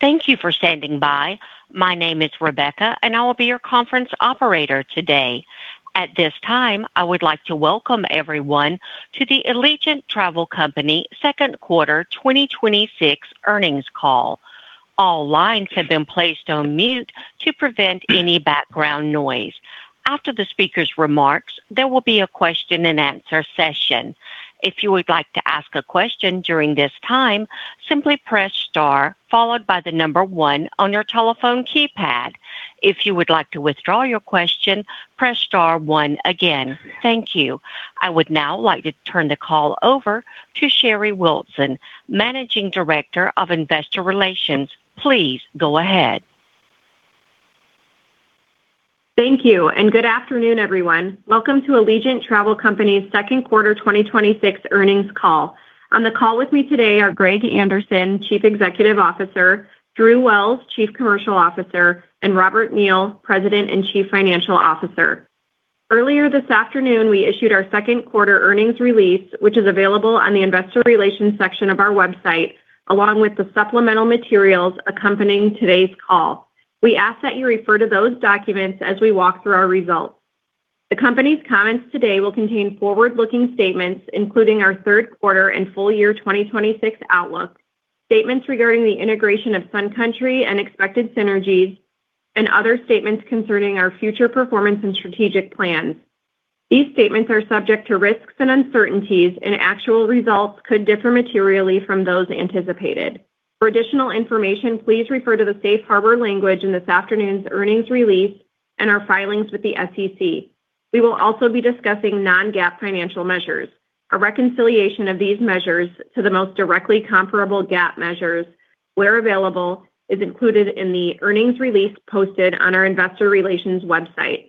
Thank you for standing by. My name is Rebecca, and I will be your conference operator today. At this time, I would like to welcome everyone to the Allegiant Travel Company second quarter 2026 earnings call. All lines have been placed on mute to prevent any background noise. After the speaker's remarks, there will be a question and answer session. If you would like to ask a question during this time, simply press star followed by the number one on your telephone keypad. If you would like to withdraw your question, press star one again. Thank you. I would now like to turn the call over to Sherry Wilson, Managing Director of Investor Relations. Please go ahead. Thank you. Good afternoon, everyone. Welcome to Allegiant Travel Company's second quarter 2026 earnings call. On the call with me today are Greg Anderson, Chief Executive Officer, Drew Wells, Chief Commercial Officer, and Robert Neal, President and Chief Financial Officer. Earlier this afternoon, we issued our second quarter earnings release, which is available on the investor relations section of our website, along with the supplemental materials accompanying today's call. The company's comments today will contain forward-looking statements, including our third quarter and full year 2026 outlook, statements regarding the integration of Sun Country and expected synergies, and other statements concerning our future performance and strategic plans. These statements are subject to risks and uncertainties. Actual results could differ materially from those anticipated. For additional information, please refer to the safe harbor language in this afternoon's earnings release and our filings with the SEC. We will also be discussing non-GAAP financial measures. A reconciliation of these measures to the most directly comparable GAAP measures, where available, is included in the earnings release posted on our investor relations website.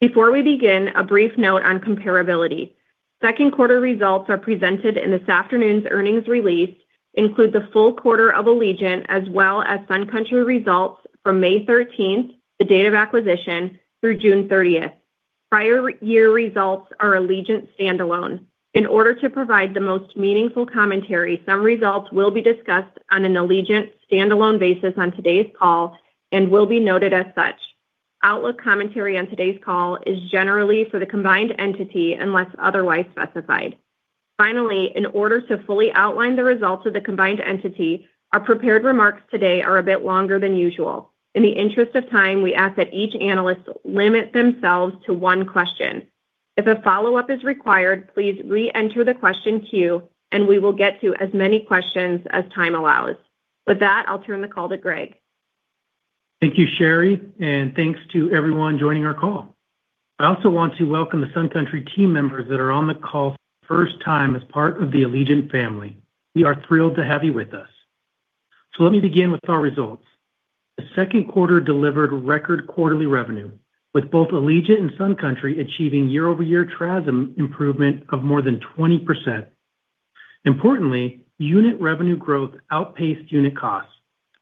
Before we begin, a brief note on comparability. Second quarter results presented in this afternoon's earnings release include the full quarter of Allegiant as well as Sun Country results from May 13th, the date of acquisition, through June 30th. Prior year results are Allegiant standalone. In order to provide the most meaningful commentary, some results will be discussed on an Allegiant standalone basis on today's call and will be noted as such. Outlook commentary on today's call is generally for the combined entity unless otherwise specified. Finally, in order to fully outline the results of the combined entity, our prepared remarks today are a bit longer than usual. In the interest of time, we ask that each analyst limit themselves to one question. If a follow-up is required, please re-enter the question queue and we will get to as many questions as time allows. With that, I'll turn the call to Greg. Thank you, Sherry, and thanks to everyone joining our call. I also want to welcome the Sun Country team members that are on the call for the first time as part of the Allegiant family. We are thrilled to have you with us. Let me begin with our results. The second quarter delivered record quarterly revenue, with both Allegiant and Sun Country achieving year-over-year TRASM improvement of more than 20%. Importantly, unit revenue growth outpaced unit costs,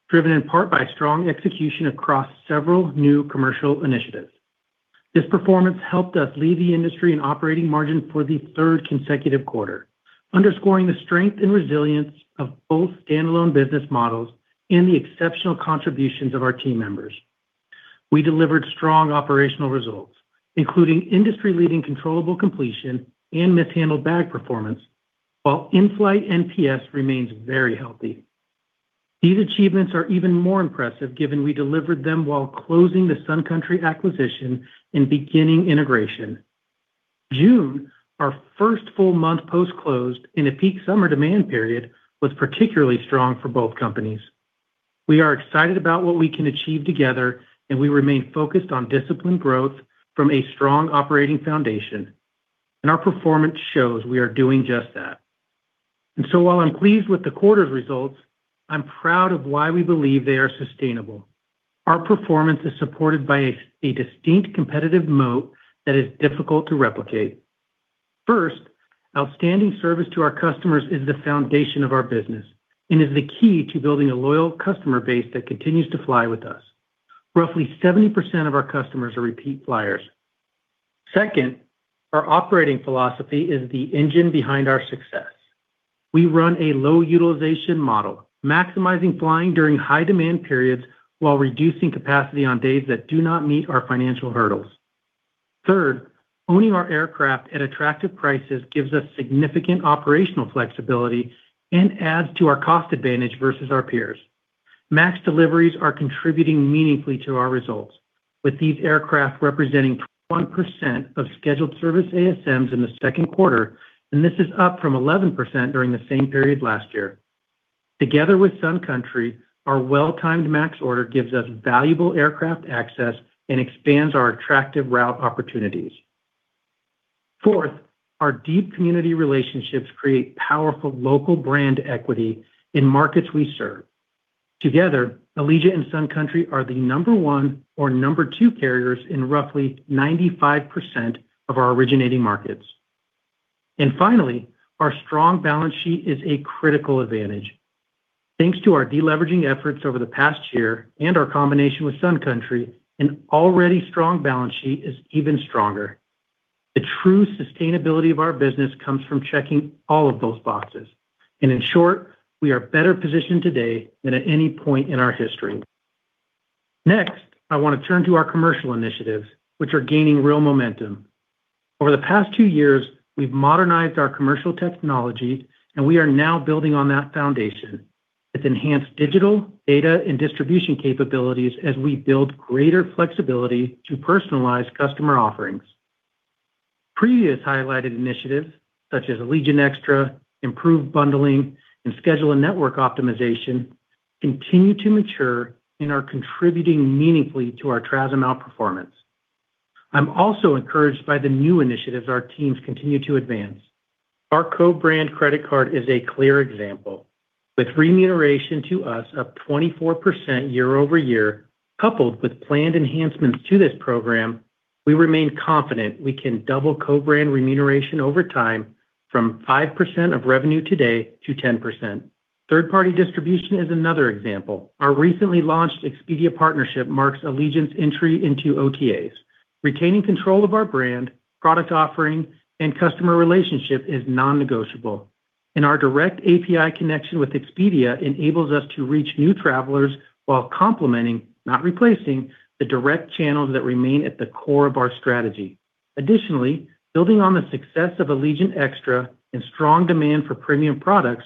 driven in part by strong execution across several new commercial initiatives. This performance helped us lead the industry in operating margin for the third consecutive quarter, underscoring the strength and resilience of both standalone business models and the exceptional contributions of our team members. We delivered strong operational results, including industry-leading controllable completion and mishandled bag performance, while in-flight NPS remains very healthy. These achievements are even more impressive given we delivered them while closing the Sun Country acquisition and beginning integration. June, our first full month post-closed in a peak summer demand period, was particularly strong for both companies. We are excited about what we can achieve together, we remain focused on disciplined growth from a strong operating foundation, and our performance shows we are doing just that. While I'm pleased with the quarter's results, I'm proud of why we believe they are sustainable. Our performance is supported by a distinct competitive moat that is difficult to replicate. First, outstanding service to our customers is the foundation of our business and is the key to building a loyal customer base that continues to fly with us. Roughly 70% of our customers are repeat flyers. Second, our operating philosophy is the engine behind our success. We run a low utilization model, maximizing flying during high-demand periods while reducing capacity on days that do not meet our financial hurdles. Third, owning our aircraft at attractive prices gives us significant operational flexibility and adds to our cost advantage versus our peers. MAX deliveries are contributing meaningfully to our results. With these aircraft representing 21% of scheduled service ASMs in the second quarter, this is up from 11% during the same period last year. Together with Sun Country, our well-timed MAX order gives us valuable aircraft access and expands our attractive route opportunities. Fourth, our deep community relationships create powerful local brand equity in markets we serve. Together, Allegiant and Sun Country are the number one or number two carriers in roughly 95% of our originating markets. Finally, our strong balance sheet is a critical advantage. Thanks to our deleveraging efforts over the past year and our combination with Sun Country, an already strong balance sheet is even stronger. The true sustainability of our business comes from checking all of those boxes. In short, we are better positioned today than at any point in our history. Next, I want to turn to our commercial initiatives, which are gaining real momentum. Over the past two years, we've modernized our commercial technology, and we are now building on that foundation with enhanced digital, data, and distribution capabilities as we build greater flexibility to personalize customer offerings. Previous highlighted initiatives such as Allegiant Extra, improved bundling, and schedule and network optimization continue to mature and are contributing meaningfully to our TRASM outperformance. I'm also encouraged by the new initiatives our teams continue to advance. Our co-brand credit card is a clear example. With remuneration to us up 24% year-over-year, coupled with planned enhancements to this program, we remain confident we can double co-brand remuneration over time from 5% of revenue today to 10%. Third-party distribution is another example. Our recently launched Expedia partnership marks Allegiant's entry into OTAs. Retaining control of our brand, product offering, and customer relationship is non-negotiable. Our direct API connection with Expedia enables us to reach new travelers while complementing, not replacing, the direct channels that remain at the core of our strategy. Additionally, building on the success of Allegiant Extra and strong demand for premium products,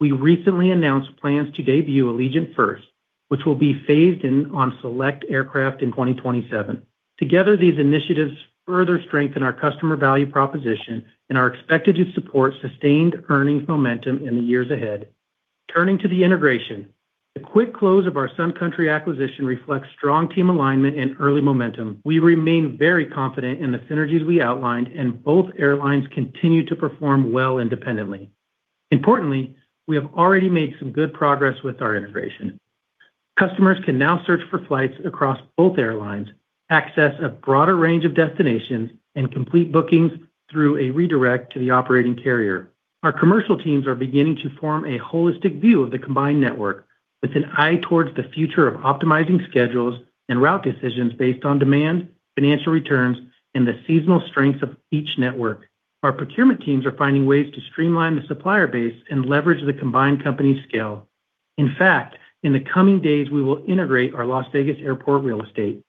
we recently announced plans to debut Allegiant First, which will be phased in on select aircraft in 2027. Together, these initiatives further strengthen our customer value proposition and are expected to support sustained earnings momentum in the years ahead. Turning to the integration. The quick close of our Sun Country acquisition reflects strong team alignment and early momentum. We remain very confident in the synergies we outlined. Both airlines continue to perform well independently. Importantly, we have already made some good progress with our integration. Customers can now search for flights across both airlines, access a broader range of destinations, and complete bookings through a redirect to the operating carrier. Our commercial teams are beginning to form a holistic view of the combined network with an eye towards the future of optimizing schedules and route decisions based on demand, financial returns, and the seasonal strengths of each network. Our procurement teams are finding ways to streamline the supplier base and leverage the combined company scale. In fact, in the coming days, we will integrate our Las Vegas airport real estate.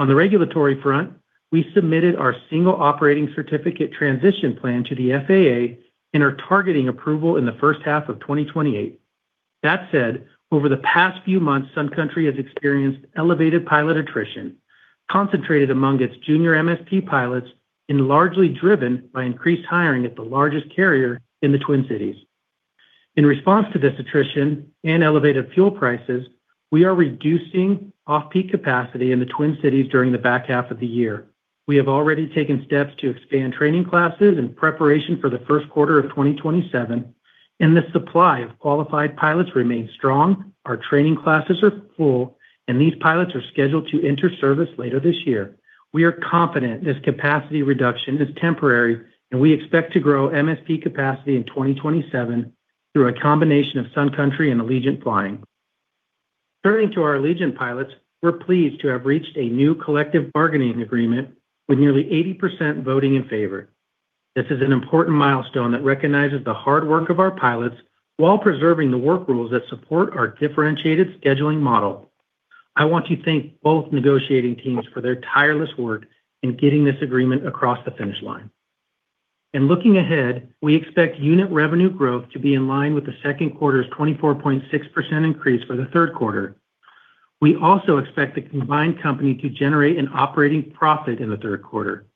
On the regulatory front, we submitted our single operating certificate transition plan to the FAA and are targeting approval in the first half of 2028. That said, over the past few months, Sun Country has experienced elevated pilot attrition, concentrated among its junior MSP pilots and largely driven by increased hiring at the largest carrier in the Twin Cities. In response to this attrition and elevated fuel prices, we are reducing off-peak capacity in the Twin Cities during the back half of the year. We have already taken steps to expand training classes in preparation for the first quarter of 2027. The supply of qualified pilots remains strong. Our training classes are full. These pilots are scheduled to enter service later this year. We are confident this capacity reduction is temporary. We expect to grow MSP capacity in 2027 through a combination of Sun Country and Allegiant flying. Turning to our Allegiant pilots, we're pleased to have reached a new collective bargaining agreement with nearly 80% voting in favor. This is an important milestone that recognizes the hard work of our pilots while preserving the work rules that support our differentiated scheduling model. I want to thank both negotiating teams for their tireless work in getting this agreement across the finish line. In looking ahead, we expect unit revenue growth to be in line with the second quarter's 24.6% increase for the third quarter. We also expect the combined company to generate an operating profit in the third quarter,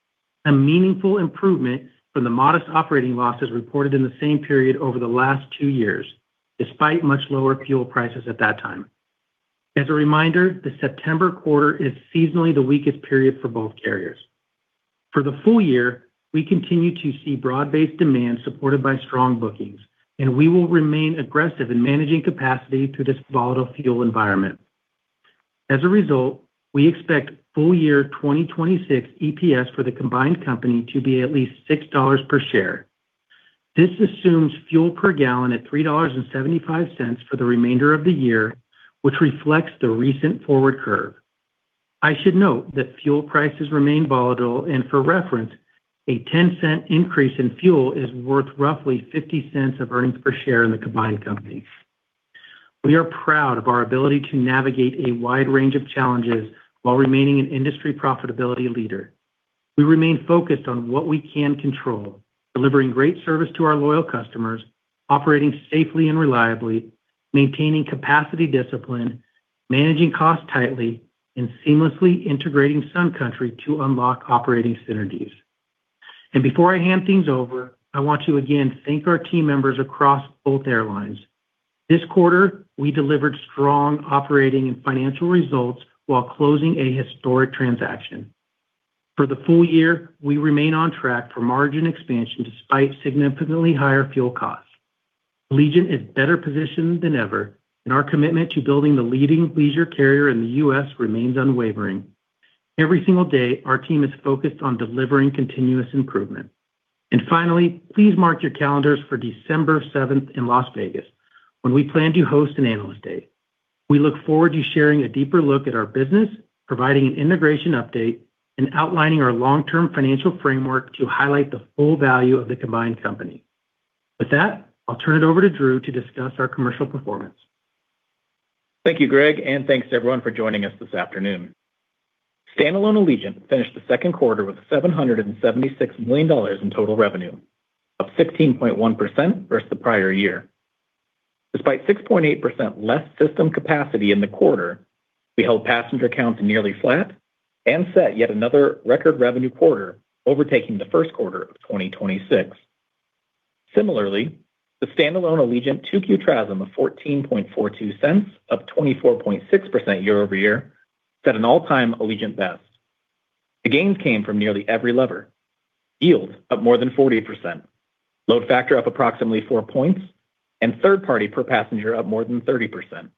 a meaningful improvement from the modest operating losses reported in the same period over the last two years, despite much lower fuel prices at that time. As a reminder, the September quarter is seasonally the weakest period for both carriers. For the full year, we continue to see broad-based demand supported by strong bookings, and we will remain aggressive in managing capacity through this volatile fuel environment. As a result, we expect full year 2026 EPS for the combined company to be at least $6 per share. This assumes fuel per gallon at $3.75 for the remainder of the year, which reflects the recent forward curve. I should note that fuel prices remain volatile, and for reference, a $0.10 increase in fuel is worth roughly $0.50 of earnings per share in the combined company. We are proud of our ability to navigate a wide range of challenges while remaining an industry profitability leader. We remain focused on what we can control, delivering great service to our loyal customers, operating safely and reliably, maintaining capacity discipline, managing costs tightly, and seamlessly integrating Sun Country to unlock operating synergies. Before I hand things over, I want to again thank our team members across both airlines. This quarter, we delivered strong operating and financial results while closing a historic transaction. For the full year, we remain on track for margin expansion despite significantly higher fuel costs. Allegiant is better positioned than ever, and our commitment to building the leading leisure carrier in the U.S. remains unwavering. Every single day, our team is focused on delivering continuous improvement. Finally, please mark your calendars for December 7th in Las Vegas, when we plan to host an analyst day. We look forward to sharing a deeper look at our business, providing an integration update, and outlining our long-term financial framework to highlight the full value of the combined company. With that, I'll turn it over to Drew to discuss our commercial performance. Thank you, Greg, and thanks everyone for joining us this afternoon. Standalone Allegiant finished the second quarter with $776 million in total revenue, up 16.1% versus the prior year. Despite 6.8% less system capacity in the quarter, we held passenger counts nearly flat and set yet another record revenue quarter, overtaking the first quarter of 2026. Similarly, the standalone Allegiant 2Q TRASM of $0.1442, up 24.6% year-over-year, set an all-time Allegiant best. The gains came from nearly every lever: yield up more than 40%, load factor up approximately four points, and third party per passenger up more than 30%.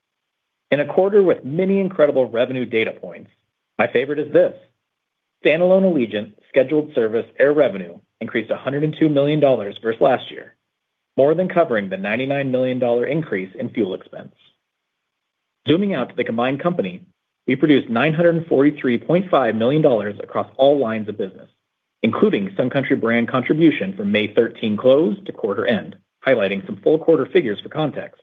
In a quarter with many incredible revenue data points, my favorite is this: standalone Allegiant scheduled service air revenue increased $102 million versus last year, more than covering the $99 million increase in fuel expense. Zooming out to the combined company, we produced $943.5 million across all lines of business, including Sun Country brand contribution from May 13 close to quarter end, highlighting some full quarter figures for context.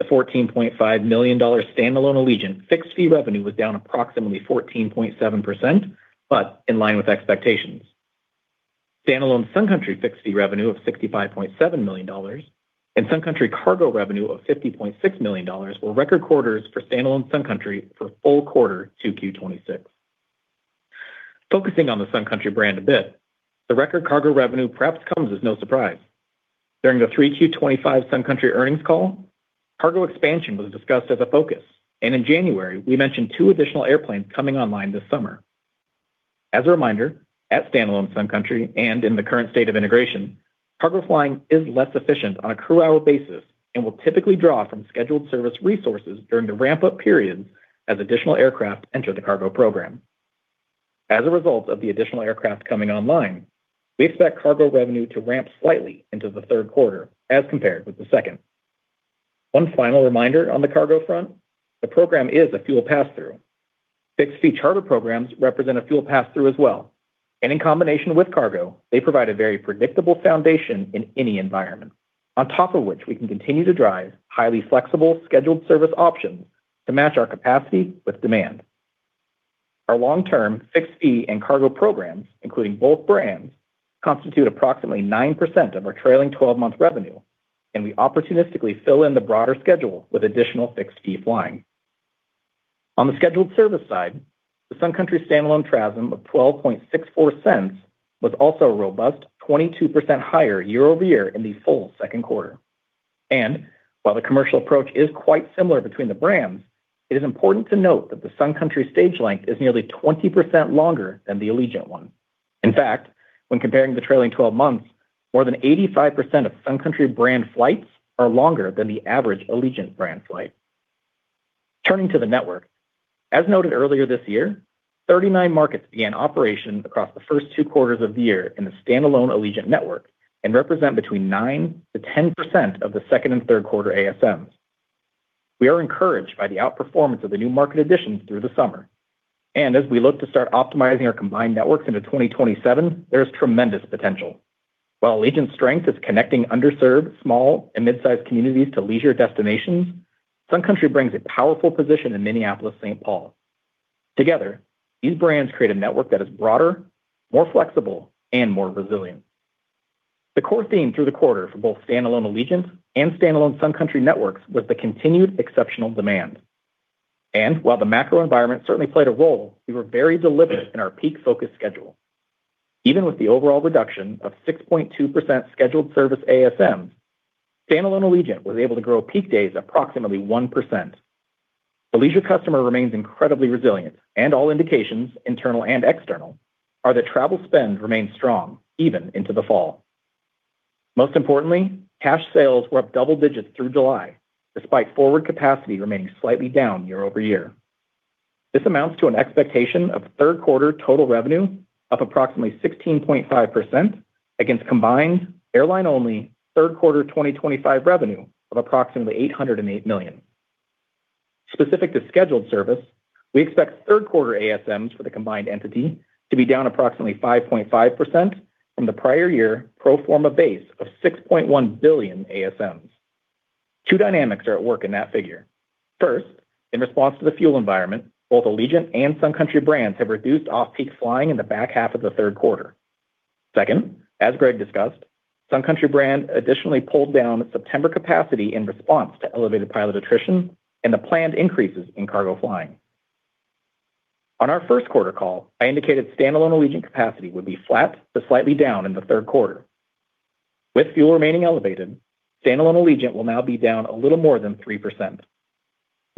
The $14.5 million standalone Allegiant fixed fee revenue was down approximately 14.7%, but in line with expectations. Standalone Sun Country fixed fee revenue of $65.7 million and Sun Country cargo revenue of $50.6 million were record quarters for standalone Sun Country for full quarter 2Q 2026. Focusing on the Sun Country brand a bit, the record cargo revenue perhaps comes as no surprise. During the 3Q 2025 Sun Country earnings call, cargo expansion was discussed as a focus, and in January, we mentioned two additional airplanes coming online this summer. As a reminder, at standalone Sun Country and in the current state of integration, cargo flying is less efficient on a crew hour basis and will typically draw from scheduled service resources during the ramp-up periods as additional aircraft enter the cargo program. As a result of the additional aircraft coming online, we expect cargo revenue to ramp slightly into the third quarter as compared with the second. One final reminder on the cargo front, the program is a fuel pass-through. Fixed fee charter programs represent a fuel pass-through as well. In combination with cargo, they provide a very predictable foundation in any environment. On top of which we can continue to drive highly flexible scheduled service options to match our capacity with demand. Our long-term fixed fee and cargo programs, including both brands, constitute approximately 9% of our trailing 12-month revenue. We opportunistically fill in the broader schedule with additional fixed fee flying. On the scheduled service side, the Sun Country standalone TRASM of $0.1264 was also a robust 22% higher year-over-year in the full second quarter. While the commercial approach is quite similar between the brands, it is important to note that the Sun Country stage length is nearly 20% longer than the Allegiant one. In fact, when comparing the trailing 12 months, more than 85% of Sun Country brand flights are longer than the average Allegiant brand flight. Turning to the network, as noted earlier this year, 39 markets began operation across the first two quarters of the year in the standalone Allegiant network and represent between 9%-10% of the second and third quarter ASMs. We are encouraged by the outperformance of the new market additions through the summer. As we look to start optimizing our combined networks into 2027, there is tremendous potential. While Allegiant's strength is connecting underserved small and mid-sized communities to leisure destinations, Sun Country brings a powerful position in Minneapolis-St. Paul. Together, these brands create a network that is broader, more flexible, and more resilient. The core theme through the quarter for both standalone Allegiant and standalone Sun Country networks was the continued exceptional demand. While the macro environment certainly played a role, we were very deliberate in our peak-focused schedule. Even with the overall reduction of 6.2% scheduled service ASMs, standalone Allegiant was able to grow peak days approximately 1%. The leisure customer remains incredibly resilient. All indications, internal and external, are that travel spend remains strong even into the fall. Most importantly, cash sales were up double digits through July, despite forward capacity remaining slightly down year-over-year. This amounts to an expectation of third quarter total revenue up approximately 16.5% against combined airline-only third quarter 2025 revenue of approximately $808 million. Specific to scheduled service, we expect third quarter ASMs for the combined entity to be down approximately 5.5% from the prior year pro forma base of 6.1 billion ASMs. Two dynamics are at work in that figure. First, in response to the fuel environment, both Allegiant and Sun Country brands have reduced off-peak flying in the back half of the third quarter. Second, as Greg discussed, Sun Country brand additionally pulled down September capacity in response to elevated pilot attrition and the planned increases in cargo flying. On our first quarter call, I indicated standalone Allegiant capacity would be flat to slightly down in the third quarter. With fuel remaining elevated, standalone Allegiant will now be down a little more than 3%.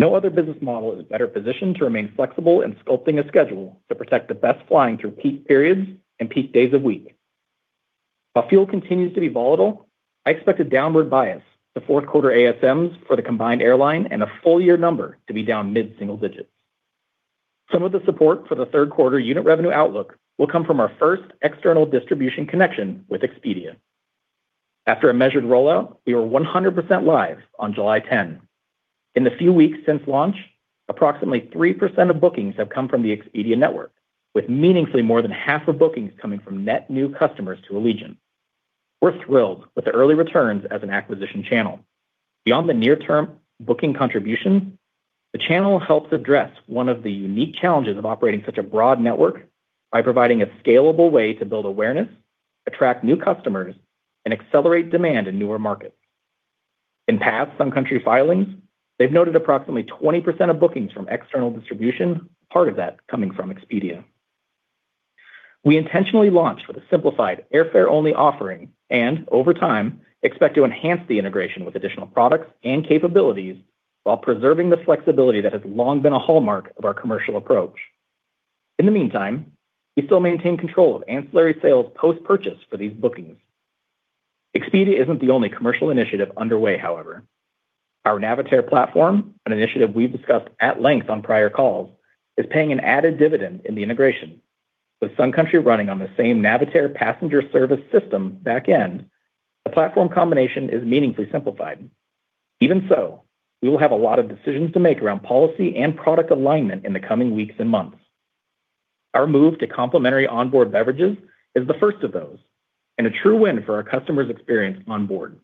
No other business model is better positioned to remain flexible in sculpting a schedule to protect the best flying through peak periods and peak days of week. While fuel continues to be volatile, I expect a downward bias to fourth quarter ASMs for the combined airline and a full-year number to be down mid-single digits. Some of the support for the third quarter unit revenue outlook will come from our first external distribution connection with Expedia. After a measured rollout, we were 100% live on July 10. In the few weeks since launch, approximately 3% of bookings have come from the Expedia network, with meaningfully more than half of bookings coming from net new customers to Allegiant. We are thrilled with the early returns as an acquisition channel. Beyond the near-term booking contribution, the channel helps address one of the unique challenges of operating such a broad network by providing a scalable way to build awareness, attract new customers, and accelerate demand in newer markets. In past Sun Country filings, they have noted approximately 20% of bookings from external distribution, part of that coming from Expedia. We intentionally launched with a simplified airfare-only offering and over time expect to enhance the integration with additional products and capabilities while preserving the flexibility that has long been a hallmark of our commercial approach. In the meantime, we still maintain control of ancillary sales post-purchase for these bookings. Expedia isn't the only commercial initiative underway, however. Our Navitaire platform, an initiative we have discussed at length on prior calls, is paying an added dividend in the integration. With Sun Country running on the same Navitaire Passenger Service System back end, the platform combination is meaningfully simplified. Even so, we will have a lot of decisions to make around policy and product alignment in the coming weeks and months. Our move to complimentary onboard beverages is the first of those and a true win for our customer's experience on board.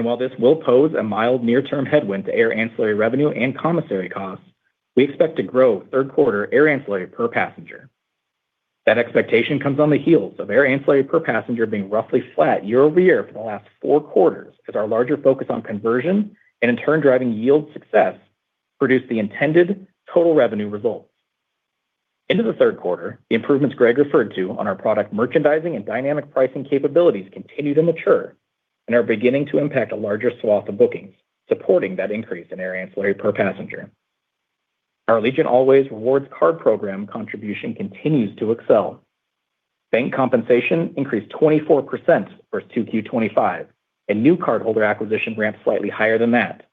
While this will pose a mild near-term headwind to air ancillary revenue and commissary costs, we expect to grow third-quarter air ancillary per passenger. That expectation comes on the heels of air ancillary per passenger being roughly flat year-over-year for the last four quarters as our larger focus on conversion and in turn driving yield success produced the intended total revenue results. Into the third quarter, the improvements Greg referred to on our product merchandising and dynamic pricing capabilities continue to mature and are beginning to impact a larger swath of bookings, supporting that increase in air ancillary per passenger. Our Allways Rewards card program contribution continues to excel. Bank compensation increased 24% versus 2Q 2025, and new cardholder acquisition ramped slightly higher than that.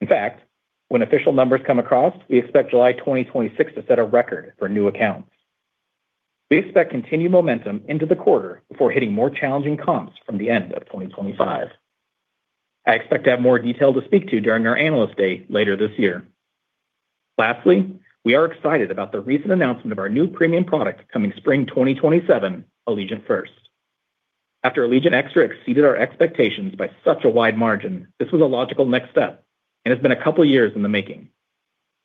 In fact, when official numbers come across, we expect July 2026 to set a record for new accounts. We expect continued momentum into the quarter before hitting more challenging comps from the end of 2025. I expect to have more detail to speak to during our Analyst Day later this year. Lastly, we are excited about the recent announcement of our new premium product coming spring 2027, Allegiant First. After Allegiant Extra exceeded our expectations by such a wide margin, this was a logical next step, and it's been a couple of years in the making.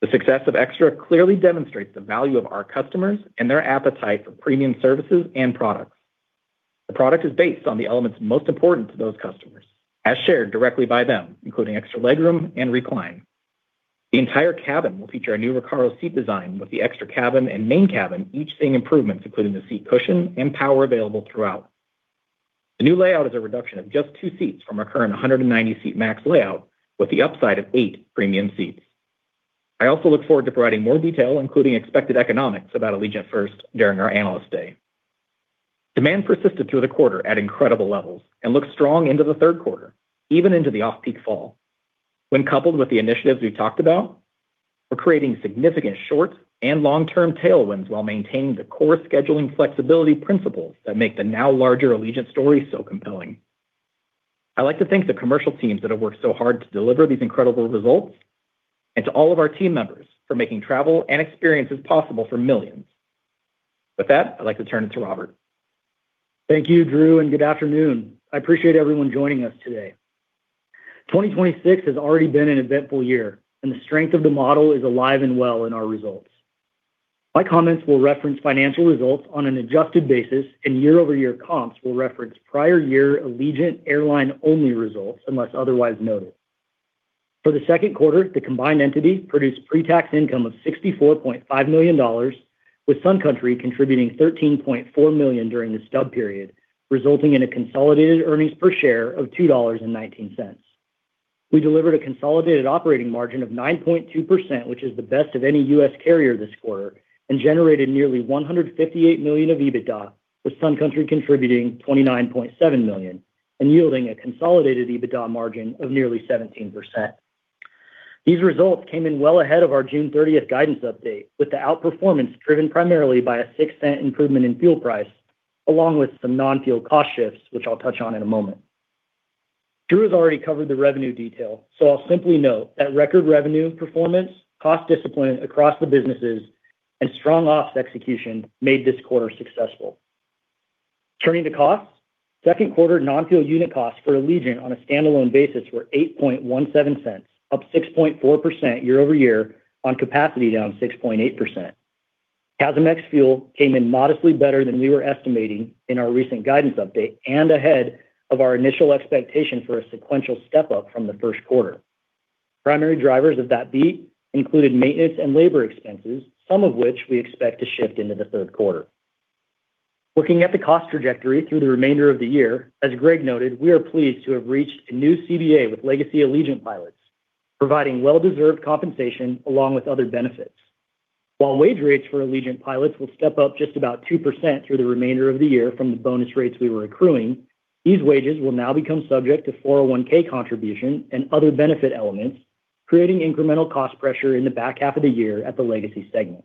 The success of Extra clearly demonstrates the value of our customers and their appetite for premium services and products. The product is based on the elements most important to those customers, as shared directly by them, including extra legroom and recline. The entire cabin will feature a new Recaro seat design with the extra cabin and main cabin, each seeing improvements including the seat cushion and power available throughout. The new layout is a reduction of just two seats from our current 190-seat max layout with the upside of eight premium seats. I also look forward to providing more detail, including expected economics, about Allegiant First during our Analyst Day. Demand persisted through the quarter at incredible levels and looks strong into the third quarter, even into the off-peak fall. When coupled with the initiatives we've talked about, we're creating significant short- and long-term tailwinds while maintaining the core scheduling flexibility principles that make the now larger Allegiant story so compelling. I'd like to thank the commercial teams that have worked so hard to deliver these incredible results and to all of our team members for making travel and experiences possible for millions. With that, I'd like to turn it to Robert. Thank you, Drew, and good afternoon. I appreciate everyone joining us today. 2026 has already been an eventful year, and the strength of the model is alive and well in our results. My comments will reference financial results on an adjusted basis, and year-over-year comps will reference prior year Allegiant Air-only results unless otherwise noted. For the second quarter, the combined entity produced pre-tax income of $64.5 million, with Sun Country contributing $13.4 million during the stub period, resulting in a consolidated earnings per share of $2.19. We delivered a consolidated operating margin of 9.2%, which is the best of any U.S. carrier this quarter, and generated nearly $158 million of EBITDA, with Sun Country contributing $29.7 million and yielding a consolidated EBITDA margin of nearly 17%. These results came in well ahead of our June 30th guidance update, with the outperformance driven primarily by a $0.06 improvement in fuel price, along with some non-fuel cost shifts, which I'll touch on in a moment. Drew has already covered the revenue detail, so I'll simply note that record revenue performance, cost discipline across the businesses, and strong ops execution made this quarter successful. Turning to costs, second quarter non-fuel unit costs for Allegiant on a standalone basis were $0.0817, up 6.4% year-over-year on capacity down 6.8%. CASM-ex fuel came in modestly better than we were estimating in our recent guidance update and ahead of our initial expectation for a sequential step-up from the first quarter. Primary drivers of that beat included maintenance and labor expenses, some of which we expect to shift into the third quarter. Looking at the cost trajectory through the remainder of the year, as Greg noted, we are pleased to have reached a new CBA with legacy Allegiant pilots, providing well-deserved compensation along with other benefits. While wage rates for Allegiant pilots will step up just about 2% through the remainder of the year from the bonus rates we were accruing, these wages will now become subject to 401(k) contribution and other benefit elements, creating incremental cost pressure in the back half of the year at the Legacy segment.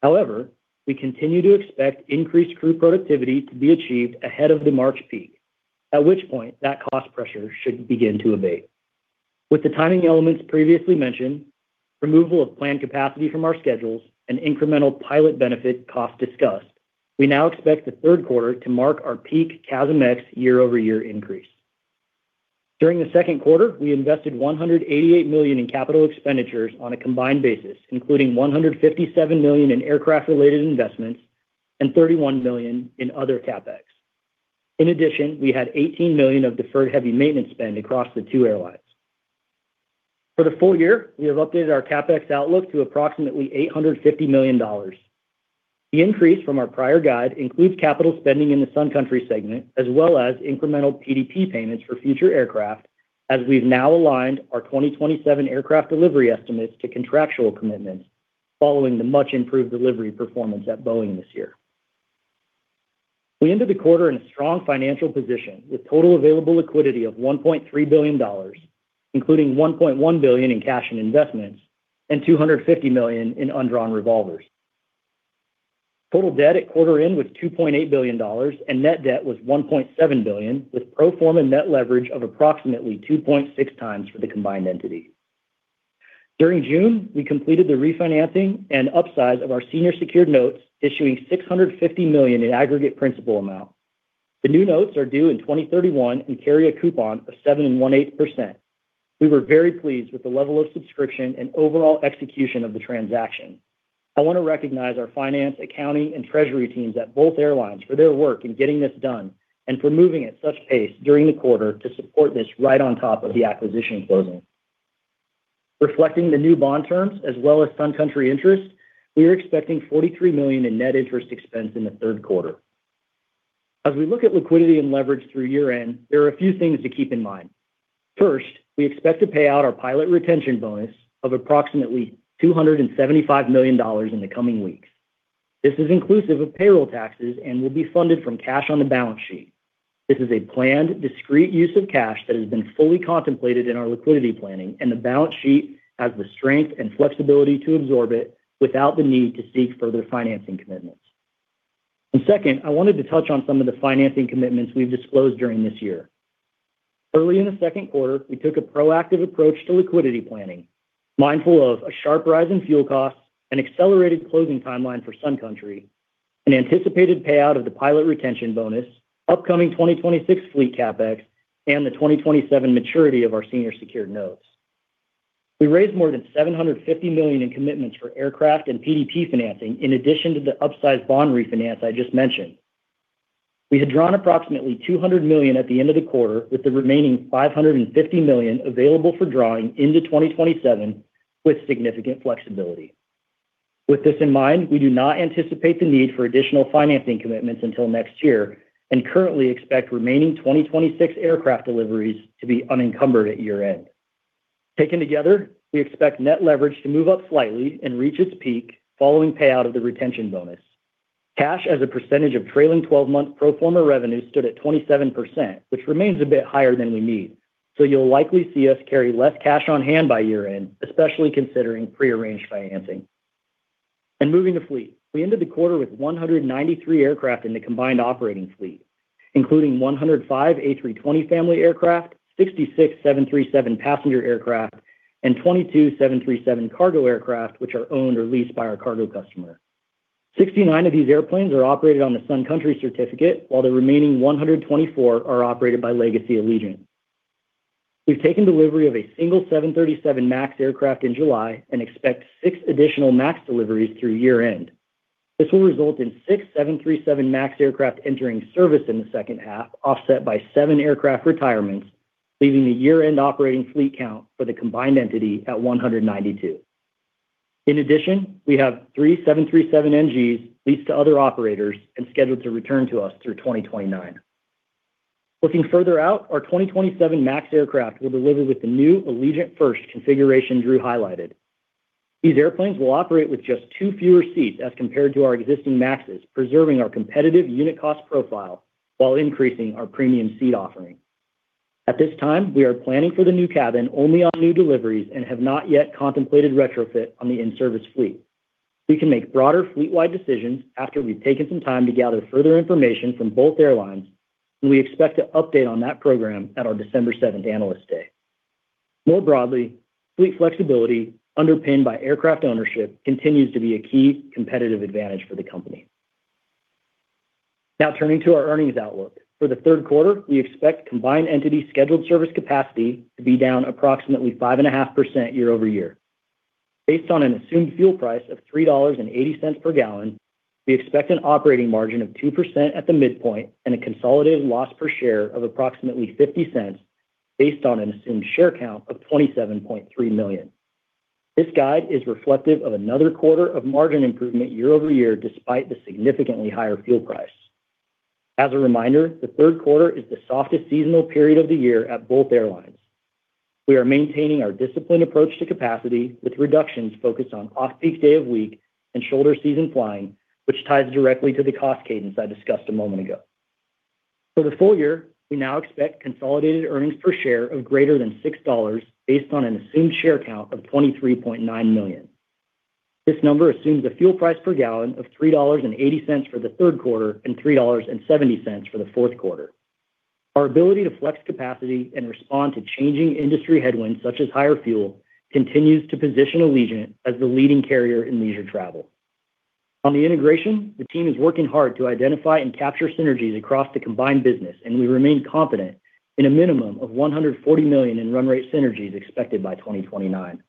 However, we continue to expect increased crew productivity to be achieved ahead of the March peak, at which point that cost pressure should begin to abate. With the timing elements previously mentioned, removal of planned capacity from our schedules, and incremental pilot benefit cost discussed, we now expect the third quarter to mark our peak CASM-ex year-over-year increase. During the second quarter, we invested $188 million in capital expenditures on a combined basis, including $157 million in aircraft-related investments and $31 million in other CapEx. In addition, we had $18 million of deferred heavy maintenance spend across the two airlines. For the full year, we have updated our CapEx outlook to approximately $850 million. The increase from our prior guide includes capital spending in the Sun Country segment, as well as incremental PDP payments for future aircraft, as we've now aligned our 2027 aircraft delivery estimates to contractual commitments following the much-improved delivery performance at Boeing this year. We ended the quarter in a strong financial position, with total available liquidity of $1.3 billion, including $1.1 billion in cash and investments and $250 million in undrawn revolvers. Total debt at quarter end was $2.8 billion, and net debt was $1.7 billion, with pro forma net leverage of approximately 2.6x for the combined entity. During June, we completed the refinancing and upsize of our senior secured notes, issuing $650 million in aggregate principal amount. The new notes are due in 2031 and carry a coupon of 7.125%. We were very pleased with the level of subscription and overall execution of the transaction. I want to recognize our finance, accounting, and treasury teams at both airlines for their work in getting this done and for moving at such pace during the quarter to support this right on top of the acquisition closing. Reflecting the new bond terms, as well as Sun Country interest, we are expecting $43 million in net interest expense in the third quarter. As we look at liquidity and leverage through year-end, there are a few things to keep in mind. First, we expect to pay out our pilot retention bonus of approximately $275 million in the coming weeks. This is inclusive of payroll taxes and will be funded from cash on the balance sheet. This is a planned, discrete use of cash that has been fully contemplated in our liquidity planning, and the balance sheet has the strength and flexibility to absorb it without the need to seek further financing commitments. Second, I wanted to touch on some of the financing commitments we've disclosed during this year. Early in the second quarter, we took a proactive approach to liquidity planning, mindful of a sharp rise in fuel costs, an accelerated closing timeline for Sun Country, an anticipated payout of the pilot retention bonus, upcoming 2026 fleet CapEx, and the 2027 maturity of our senior secured notes. We raised more than $750 million in commitments for aircraft and PDP financing in addition to the upsize bond refinance I just mentioned. We had drawn approximately $200 million at the end of the quarter, with the remaining $550 million available for drawing into 2027 with significant flexibility. With this in mind, we do not anticipate the need for additional financing commitments until next year and currently expect remaining 2026 aircraft deliveries to be unencumbered at year-end. Taken together, we expect net leverage to move up slightly and reach its peak following payout of the retention bonus. Cash as a percentage of trailing 12-month pro forma revenue stood at 27%, which remains a bit higher than we need. You'll likely see us carry less cash on hand by year-end, especially considering prearranged financing. Moving to fleet. We ended the quarter with 193 aircraft in the combined operating fleet, including 105 A320 family aircraft, 66 737 passenger aircraft, and 22 737 cargo aircraft, which are owned or leased by our cargo customer. 69 of these airplanes are operated on the Sun Country certificate, while the remaining 124 are operated by Legacy Allegiant. We've taken delivery of a single 737 MAX aircraft in July and expect six additional MAX deliveries through year-end. This will result in six 737 MAX aircraft entering service in the second half, offset by seven aircraft retirements, leaving the year-end operating fleet count for the combined entity at 192. In addition, we have three 737NGs leased to other operators and scheduled to return to us through 2029. Looking further out, our 2027 MAX aircraft will deliver with the new Allegiant First configuration Drew highlighted. These airplanes will operate with just two fewer seats as compared to our existing MAXs, preserving our competitive unit cost profile while increasing our premium seat offering. At this time, we are planning for the new cabin only on new deliveries and have not yet contemplated retrofit on the in-service fleet. We can make broader fleet-wide decisions after we've taken some time to gather further information from both airlines, and we expect to update on that program at our December 7th Analyst Day. More broadly, fleet flexibility underpinned by aircraft ownership continues to be a key competitive advantage for the company. Turning to our earnings outlook. For the third quarter, we expect combined entity scheduled service capacity to be down approximately 5.5% year-over-year. Based on an assumed fuel price of $3.80 per gallon, we expect an operating margin of 2% at the midpoint and a consolidated loss per share of approximately $0.50 based on an assumed share count of 27.3 million. This guide is reflective of another quarter of margin improvement year-over-year, despite the significantly higher fuel price. As a reminder, the third quarter is the softest seasonal period of the year at both airlines. We are maintaining our disciplined approach to capacity with reductions focused on off-peak day of week and shoulder season flying, which ties directly to the cost cadence I discussed a moment ago. For the full year, we now expect consolidated earnings per share of greater than $6 based on an assumed share count of 23.9 million. This number assumes a fuel price per gallon of $3.80 for the third quarter and $3.70 for the fourth quarter. Our ability to flex capacity and respond to changing industry headwinds such as higher fuel continues to position Allegiant as the leading carrier in leisure travel. On the integration, the team is working hard to identify and capture synergies across the combined business, and we remain confident in a minimum of $140 million in run rate synergies expected by 2029.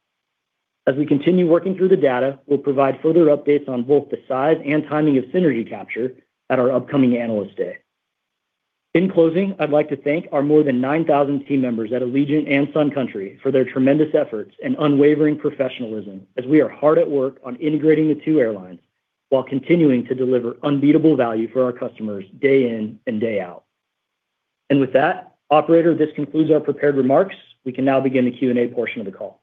As we continue working through the data, we'll provide further updates on both the size and timing of synergy capture at our upcoming Analyst Day. In closing, I'd like to thank our more than 9,000 team members at Allegiant and Sun Country for their tremendous efforts and unwavering professionalism, as we are hard at work on integrating the two airlines while continuing to deliver unbeatable value for our customers day in and day out. With that, operator, this concludes our prepared remarks. We can now begin the Q&A portion of the call.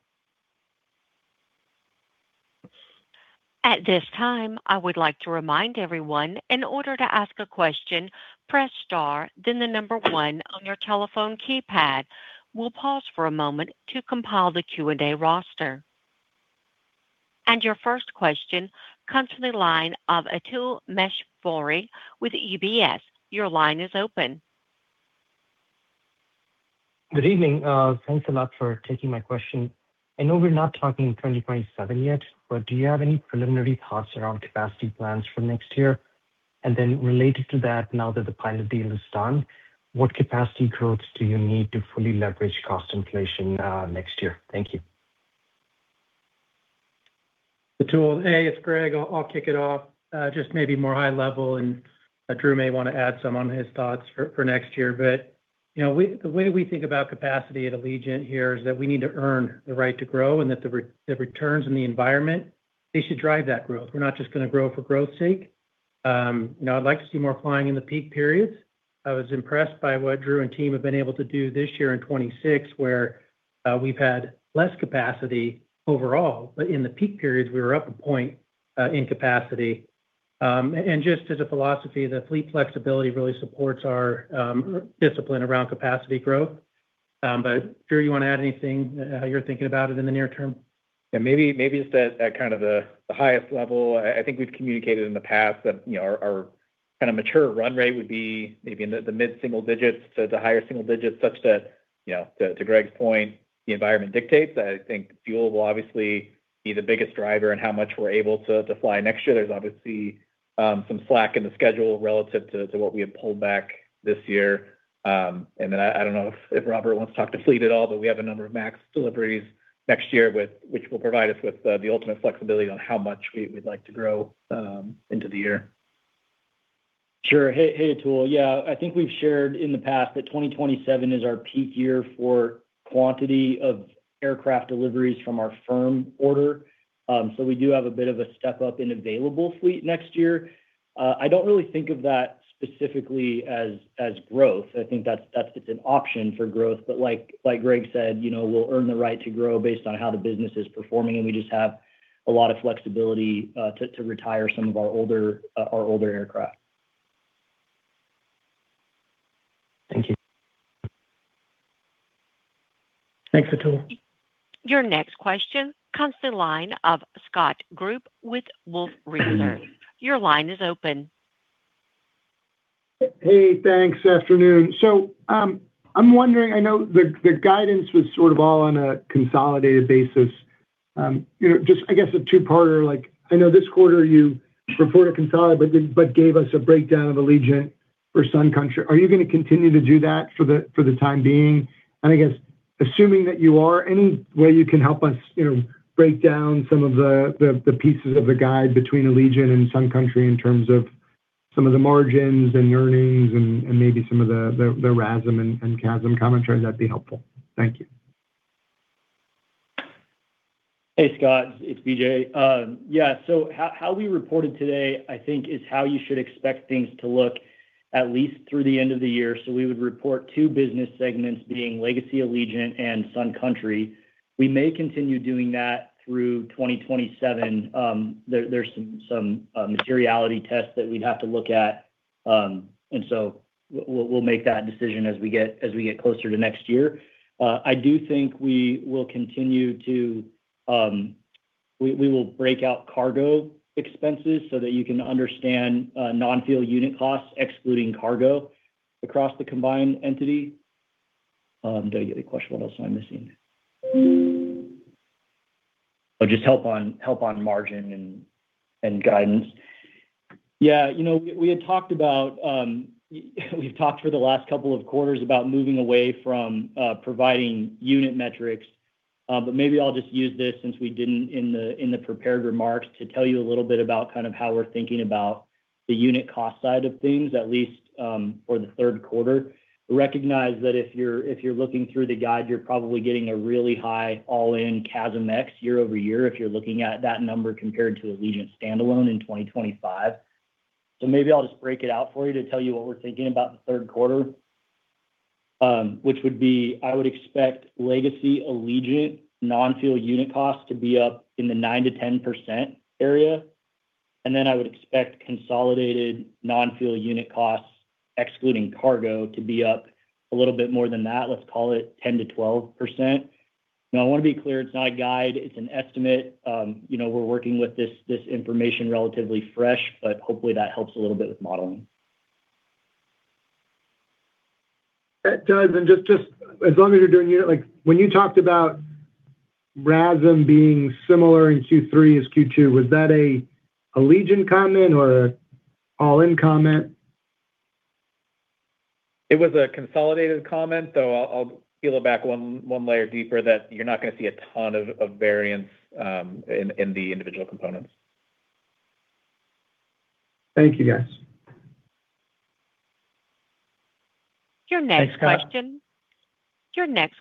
At this time, I would like to remind everyone, in order to ask a question, press star then the number one on your telephone keypad. We'll pause for a moment to compile the Q&A roster. Your first question comes from the line of Atul Maheshwari with UBS. Your line is open. Good evening. Thanks a lot for taking my question. I know we're not talking 2027 yet, do you have any preliminary thoughts around capacity plans for next year? Related to that, now that the pilot deal is done, what capacity growth do you need to fully leverage cost inflation next year? Thank you. Atul, hey, it's Greg. I'll kick it off. Just maybe more high level, Drew may want to add some on his thoughts for next year. The way we think about capacity at Allegiant here is that we need to earn the right to grow, that the returns and the environment, they should drive that growth. We're not just going to grow for growth's sake. I'd like to see more flying in the peak periods. I was impressed by what Drew and team have been able to do this year in 2026, where we've had less capacity overall, in the peak periods, we were up a point in capacity. Just as a philosophy, the fleet flexibility really supports our discipline around capacity growth. Drew, you want to add anything, how you're thinking about it in the near term? Yeah, maybe just at kind of the highest level, I think we've communicated in the past that our kind of mature run rate would be maybe in the mid-single digits to the higher single digits, such that, to Greg's point, the environment dictates. I think fuel will obviously be the biggest driver in how much we're able to fly next year. There's obviously some slack in the schedule relative to what we have pulled back this year. I don't know if Robert wants to talk to fleet at all, we have a number of MAX deliveries next year, which will provide us with the ultimate flexibility on how much we'd like to grow into the year. Sure. Hey, Atul. Yeah, I think we've shared in the past that 2027 is our peak year for quantity of aircraft deliveries from our firm order. We do have a bit of a step-up in available fleet next year. I don't really think of that specifically as growth. I think that's just an option for growth. Like Greg said, we'll earn the right to grow based on how the business is performing, we just have a lot of flexibility to retire some of our older aircraft. Thank you. Thanks, Atul. Your next question comes to the line of Scott Group with Wolfe Research. Your line is open. Hey, thanks. Afternoon. I'm wondering, I know the guidance was sort of all on a consolidated basis. Just I guess a two-parter, I know this quarter you reported consolidated but gave us a breakdown of Allegiant versus Sun Country. Are you going to continue to do that for the time being? And I guess, assuming that you are, any way you can help us break down some of the pieces of the guide between Allegiant and Sun Country in terms of some of the margins and the earnings and maybe some of the RASM and CASM commentary, that'd be helpful. Thank you. Hey, Scott. It's BJ. How we reported today, I think is how you should expect things to look at least through the end of the year. We would report two business segments being legacy Allegiant and Sun Country. We may continue doing that through 2027. There's some materiality tests that we'd have to look at. We'll make that decision as we get closer to next year. I do think we will break out cargo expenses so that you can understand non-fuel unit costs excluding cargo across the combined entity. Did I get the question? What else am I missing? Oh, just help on margin and guidance. We've talked for the last couple of quarters about moving away from providing unit metrics. Maybe I'll just use this since we didn't in the prepared remarks to tell you a little bit about kind of how we're thinking about the unit cost side of things, at least for the third quarter. Recognize that if you're looking through the guide, you're probably getting a really high all-in CASM-ex year-over-year if you're looking at that number compared to Allegiant standalone in 2025. Maybe I'll just break it out for you to tell you what we're thinking about the third quarter, which would be, I would expect legacy Allegiant non-fuel unit costs to be up in the 9%-10% area, and then I would expect consolidated non-fuel unit costs, excluding cargo, to be up a little bit more than that, let's call it 10%-12%. I want to be clear, it's not a guide, it's an estimate. We're working with this information relatively fresh, but hopefully that helps a little bit with modeling. That does. As long as you're doing unit, when you talked about RASM being similar in Q3 as Q2, was that an Allegiant comment or an all-in comment? It was a consolidated comment, I'll peel it back one layer deeper that you're not going to see a ton of variance in the individual components. Thank you, guys. Your next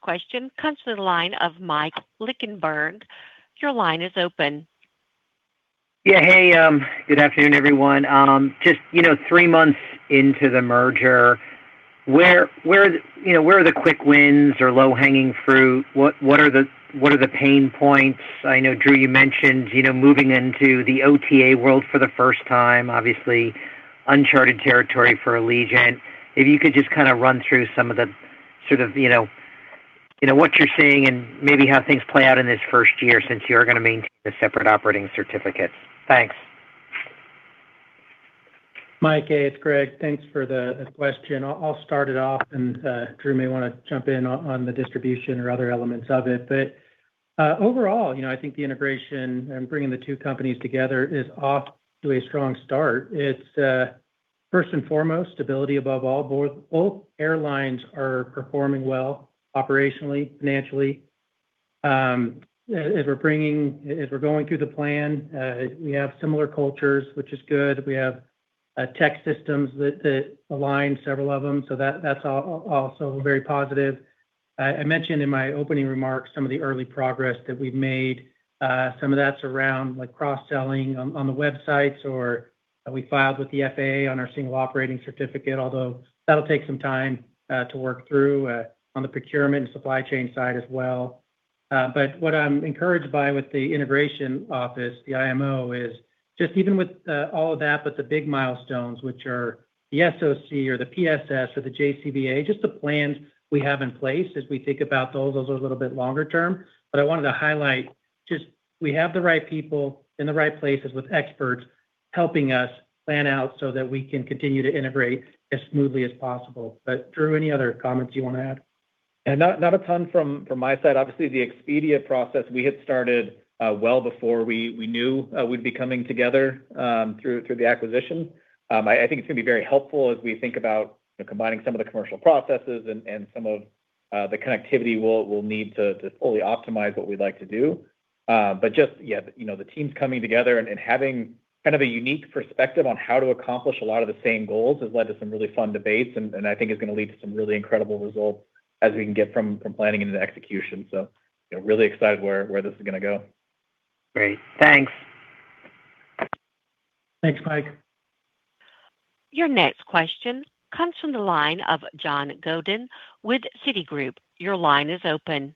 question comes to the line of Michael Linenberg. Your line is open. Yeah. Hey, good afternoon, everyone. Just three months into the merger, where are the quick wins or low-hanging fruit? What are the pain points? I know, Drew, you mentioned, moving into the OTA world for the first time, obviously uncharted territory for Allegiant. If you could just run through some of what you're seeing and maybe how things play out in this first year since you are going to maintain the separate operating certificates. Thanks. Mike, hey, it's Greg. Thanks for the question. I'll start it off. Drew may want to jump in on the distribution or other elements of it. Overall, I think the integration and bringing the two companies together is off to a strong start. It's, first and foremost, stability above all. Both airlines are performing well operationally, financially. As we're going through the plan, we have similar cultures, which is good. We have tech systems that align several of them. That's also very positive. I mentioned in my opening remarks some of the early progress that we've made. Some of that's around cross-selling on the websites, or we filed with the FAA on our single operating certificate, although that'll take some time to work through on the procurement and supply chain side as well. What I'm encouraged by with the integration office, the IMO, is just even with all of that, the big milestones, which are the SOC or the PSS or the JCBA, just the plans we have in place as we think about those. Those are a little bit longer term. I wanted to highlight just we have the right people in the right places with experts helping us plan out that we can continue to integrate as smoothly as possible. Drew, any other comments you want to add? Not a ton from my side. Obviously, the Expedia process we had started well before we knew we'd be coming together through the acquisition. I think it's going to be very helpful as we think about combining some of the commercial processes and some of the connectivity we'll need to fully optimize what we'd like to do. Just, yeah, the teams coming together and having a unique perspective on how to accomplish a lot of the same goals has led to some really fun debates and I think is going to lead to some really incredible results as we can get from planning into the execution. Really excited where this is going to go. Great. Thanks. Thanks, Mike. Your next question comes from the line of John Godyn with Citigroup. Your line is open.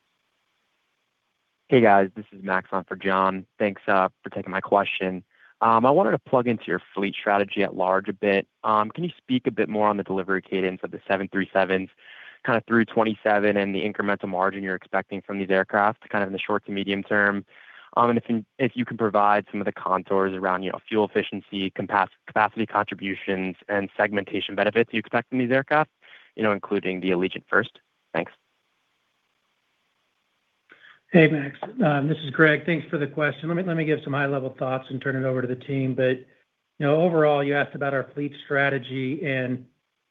Hey, guys, this is Max on for John. Thanks for taking my question. I wanted to plug into your fleet strategy at large a bit. Can you speak a bit more on the delivery cadence of the 737s through 2027 and the incremental margin you're expecting from these aircraft kind of in the short to medium term? If you could provide some of the contours around fuel efficiency, capacity contributions, and segmentation benefits you expect from these aircraft, including the Allegiant First. Thanks. Hey, Max. This is Greg. Thanks for the question. Let me give some high-level thoughts and turn it over to the team. Overall, you asked about our fleet strategy, and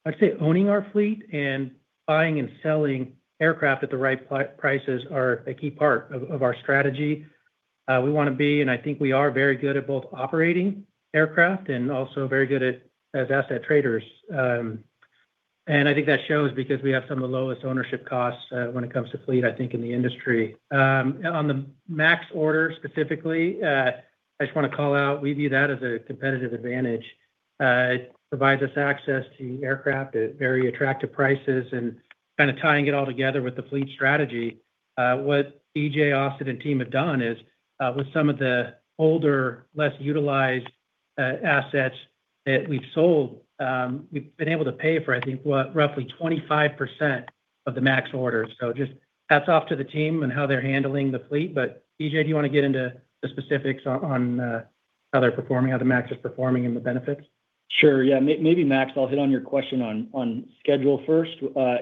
I'd say owning our fleet and buying and selling aircraft at the right prices are a key part of our strategy. We want to be, and I think we are very good at both operating aircraft and also very good as asset traders. I think that shows because we have some of the lowest ownership costs when it comes to fleet, I think, in the industry. On the MAX order specifically, I just want to call out, we view that as a competitive advantage. It provides us access to aircraft at very attractive prices and kind of tying it all together with the fleet strategy. What BJ Austin and team have done is, with some of the older, less utilized assets that we've sold, we've been able to pay for, I think, what, roughly 25% of the MAX orders. Just hats off to the team and how they're handling the fleet. BJ, do you want to get into the specifics on how they're performing, how the MAX is performing, and the benefits? Sure, yeah. Maybe Max, I'll hit on your question on schedule first.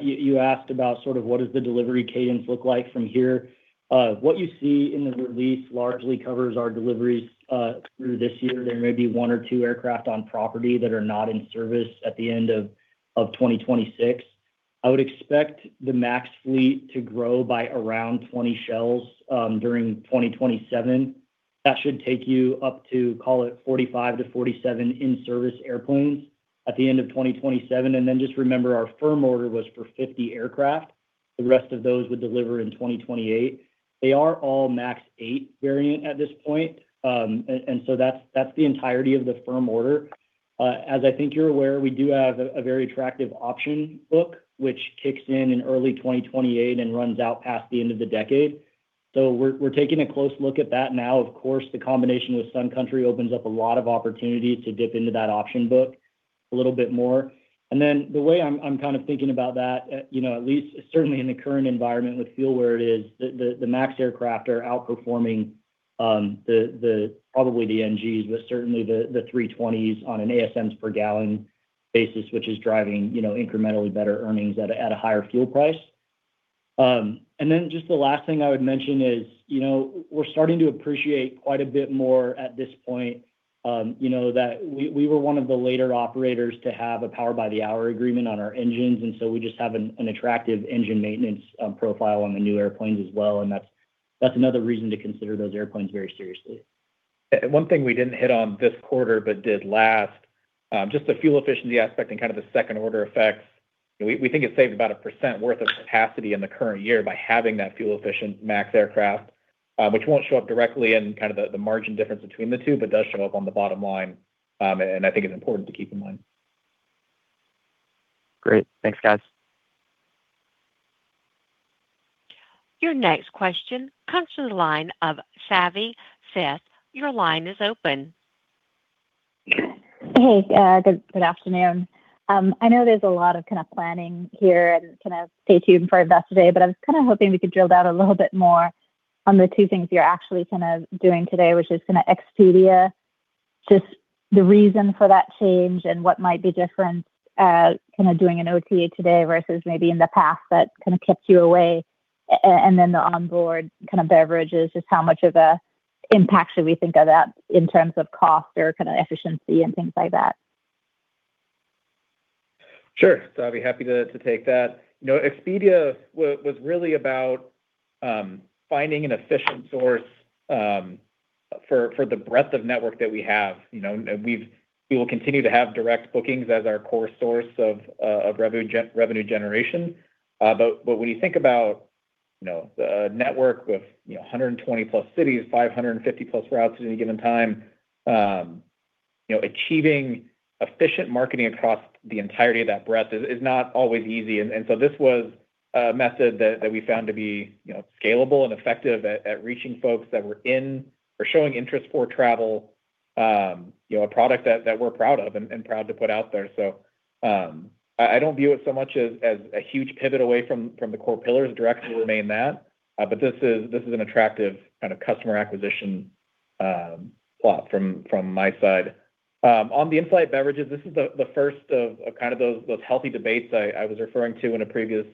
You asked about sort of what does the delivery cadence look like from here. What you see in the release largely covers our deliveries through this year. There may be one or two aircraft on property that are not in service at the end of 2026. I would expect the MAX fleet to grow by around 20 shells during 2027. That should take you up to, call it, 45-47 in-service airplanes at the end of 2027. Just remember, our firm order was for 50 aircraft. The rest of those would deliver in 2028. They are all MAX 8 variant at this point. That's the entirety of the firm order. As I think you're aware, we do have a very attractive option book, which kicks in in early 2028 and runs out past the end of the decade. We're taking a close look at that now. Of course, the combination with Sun Country opens up a lot of opportunities to dip into that option book a little bit more. The way I'm thinking about that, at least certainly in the current environment with fuel where it is, the MAX aircraft are outperforming probably the 737NGs, but certainly the A320s on an ASMs per gallon basis, which is driving incrementally better earnings at a higher fuel price. Just the last thing I would mention is, we're starting to appreciate quite a bit more at this point, that we were one of the later operators to have a power by the hour agreement on our engines. We just have an attractive engine maintenance profile on the new airplanes as well, and that's another reason to consider those airplanes very seriously. One thing we didn't hit on this quarter but did last, just the fuel efficiency aspect and kind of the second-order effects. We think it saved about 1% worth of capacity in the current year by having that fuel-efficient MAX aircraft, which won't show up directly in the margin difference between the two, but does show up on the bottom line. I think it's important to keep in mind. Great. Thanks, guys. Your next question comes from the line of Savi Syth. Your line is open. Hey, good afternoon. I know there's a lot of planning here and stay tuned for Investor Day, but I was hoping we could drill down a little bit more on the two things you're actually doing today, which is Expedia. Just the reason for that change and what might be different, doing an OTA today versus maybe in the past that kept you away. Then the onboard beverages, just how much of an impact should we think of that in terms of cost or efficiency and things like that? Savi, happy to take that. Expedia was really about finding an efficient source for the breadth of network that we have. We will continue to have direct bookings as our core source of revenue generation. When you think about the network with 120+ cities, 550+ routes at any given time. Achieving efficient marketing across the entirety of that breadth is not always easy. This was a method that we found to be scalable and effective at reaching folks that were in or showing interest for travel, a product that we're proud of and proud to put out there. I don't view it so much as a huge pivot away from the core pillars. Direct will remain that. This is an attractive kind of customer acquisition plot from my side. On the in-flight beverages, this is the first of those healthy debates I was referring to in a previous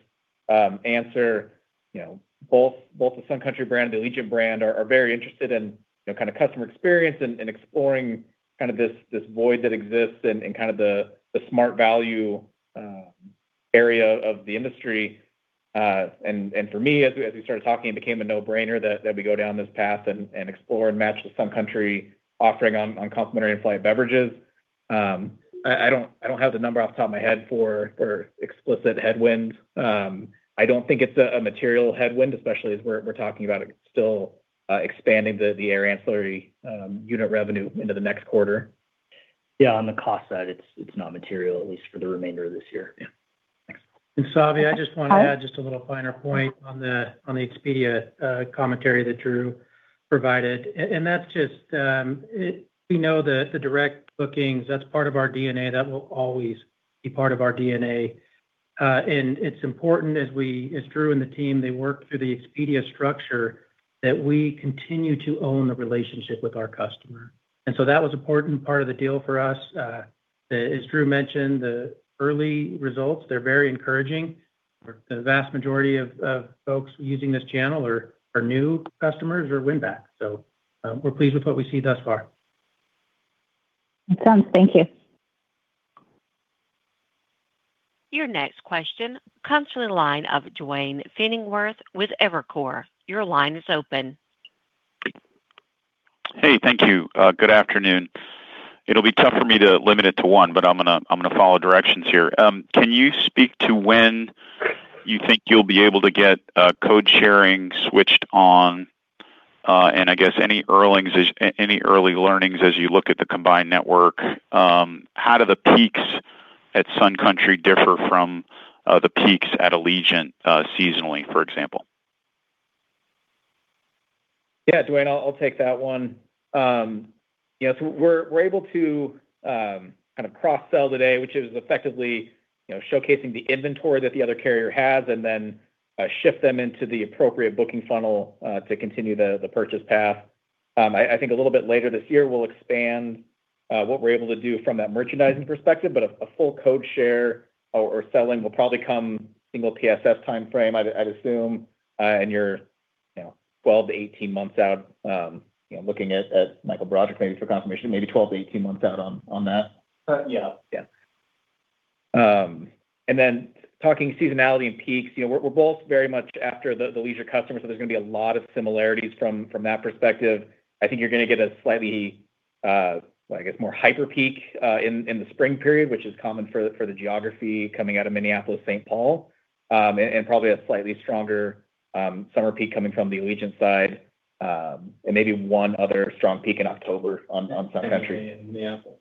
answer. Both the Sun Country brand, the Allegiant brand, are very interested in customer experience and exploring this void that exists and the smart value area of the industry. For me, as we started talking, it became a no-brainer that we go down this path and explore and match the Sun Country offering on complimentary in-flight beverages. I don't have the number off the top of my head for explicit headwind. I don't think it's a material headwind, especially as we're talking about still expanding the air ancillary unit revenue into the next quarter. On the cost side, it's not material, at least for the remainder of this year. Thanks. Savi, I just want to add just a little finer point on the Expedia commentary that Drew provided. That's just, we know that the direct bookings, that's part of our DNA. That will always be part of our DNA. It's important as Drew and the team, they work through the Expedia structure, that we continue to own the relationship with our customer. That was important part of the deal for us. As Drew mentioned, the early results, they're very encouraging. The vast majority of folks using this channel are new customers or win-backs. We're pleased with what we see thus far. Makes sense. Thank you. Your next question comes from the line of Duane Pfennigwerth with Evercore. Your line is open. Hey, thank you. Good afternoon. It'll be tough for me to limit it to one, but I'm gonna follow directions here. Can you speak to when you think you'll be able to get code-sharing switched on? I guess any early learnings as you look at the combined network. How do the peaks at Sun Country differ from the peaks at Allegiant seasonally, for example? Duane, I'll take that one. We're able to kind of cross-sell today, which is effectively showcasing the inventory that the other carrier has and then shift them into the appropriate booking funnel to continue the purchase path. I think a little bit later this year we'll expand what we're able to do from that merchandising perspective, but a full code share or selling will probably come single PSS timeframe, I'd assume. You're 12-18 months out, looking at Michael Broderick maybe for confirmation, maybe 12-18 months out on that. Yeah. Talking seasonality and peaks, we're both very much after the leisure customer. There's going to be a lot of similarities from that perspective. I think you're going to get a I guess, more hyper peak in the spring period, which is common for the geography coming out of Minneapolis-Saint Paul, probably a slightly stronger summer peak coming from the Allegiant side, maybe one other strong peak in October on Sun Country. In Minneapolis.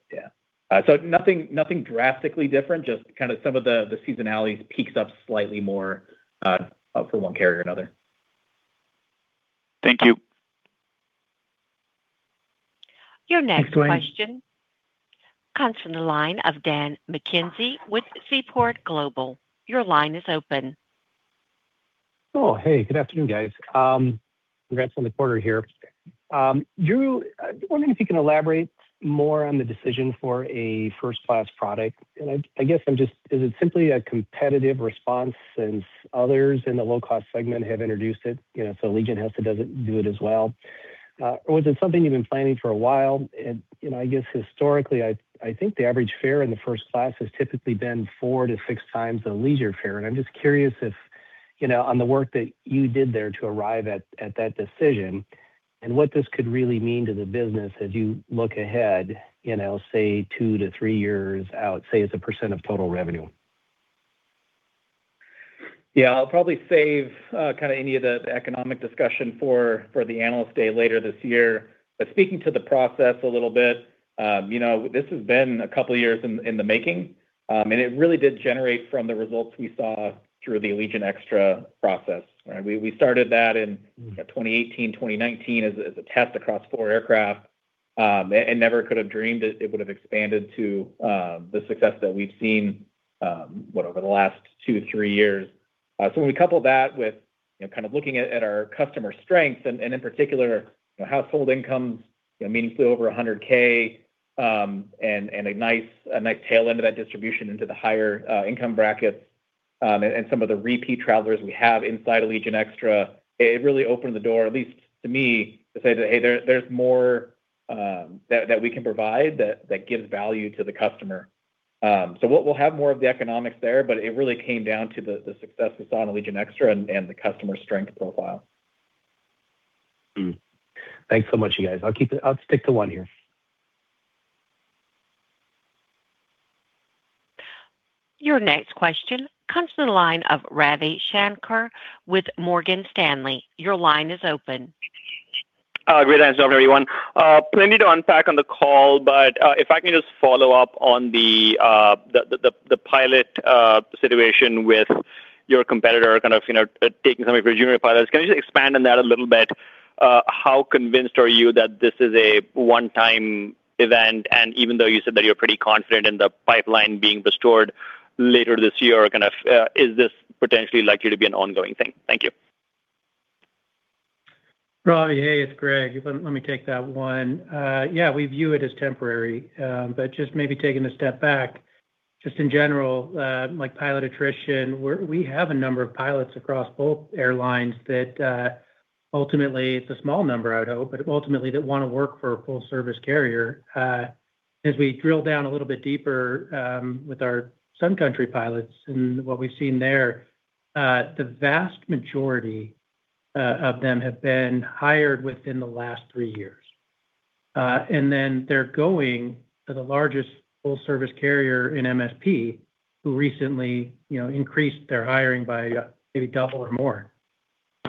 Nothing drastically different, just some of the seasonality peaks up slightly more for one carrier or another. Thank you. Your next question comes from the line of Dan McKenzie with Seaport Global. Your line is open. Oh, hey, good afternoon, guys. Congrats on the quarter here. Drew, I am wondering if you can elaborate more on the decision for a first-class product. I guess, is it simply a competitive response since others in the low-cost segment have introduced it, so Allegiant has to do it as well? Was it something you have been planning for a while? I guess historically, I think the average fare in the first class has typically been four to six times the leisure fare, and I am just curious if, on the work that you did there to arrive at that decision and what this could really mean to the business as you look ahead, say two to three years out, say as a percent of total revenue. Yeah, I will probably save any of the economic discussion for the analyst day later this year. Speaking to the process a little bit, this has been a couple of years in the making. It really did generate from the results we saw through the Allegiant Extra process, right? We started that in 2018, 2019 as a test across four aircraft. Never could have dreamed it would have expanded to the success that we have seen, what, over the last two, three years. When we couple that with looking at our customer strengths and in particular household incomes meaningfully over 100,000, and a nice tail end of that distribution into the higher income brackets, and some of the repeat travelers we have inside Allegiant Extra, it really opened the door, at least to me, to say that, "Hey, there's more that we can provide that gives value to the customer." We'll have more of the economics there, but it really came down to the success we saw in Allegiant Extra and the customer strength profile. Thanks so much, you guys. I'll stick to one here. Your next question comes to the line of Ravi Shanker with Morgan Stanley. Your line is open. Great. Thanks, everyone. If I can just follow up on the pilot situation with your competitor kind of taking some of your junior pilots. Can you just expand on that a little bit? How convinced are you that this is a one-time event, and even though you said that you're pretty confident in the pipeline being restored later this year, is this potentially likely to be an ongoing thing? Thank you. Ravi, hey, it's Greg. Let me take that one. We view it as temporary. Just maybe taking a step back, just in general, like pilot attrition, we have a number of pilots across both airlines that ultimately, it's a small number, I would hope, but ultimately that want to work for a full-service carrier. As we drill down a little bit deeper with our Sun Country pilots and what we've seen there, the vast majority of them have been hired within the last three years. They're going to the largest full-service carrier in MSP, who recently increased their hiring by maybe double or more.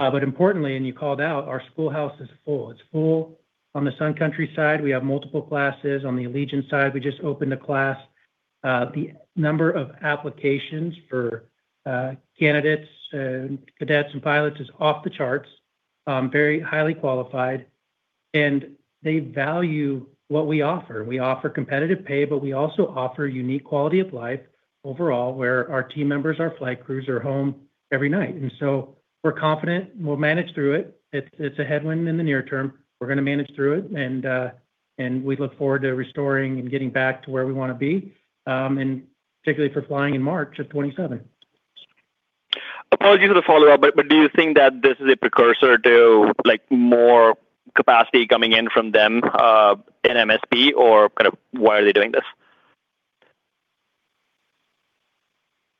Importantly, and you called out, our schoolhouse is full. It's full on the Sun Country side. We have multiple classes on the Allegiant side. We just opened a class. The number of applications for candidates, cadets, and pilots is off the charts. Very highly qualified, they value what we offer. We offer competitive pay, we also offer unique quality of life overall, where our team members, our flight crews, are home every night. We're confident we'll manage through it. It's a headwind in the near term. We're going to manage through it, we look forward to restoring and getting back to where we want to be, and particularly for flying in March of 2027. Apologies for the follow-up, do you think that this is a precursor to more capacity coming in from them in MSP, or why are they doing this?